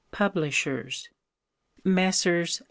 Publishers. Messrs.